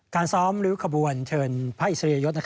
การซ้อมลิวคบวรเชิญพระอิสศรียยส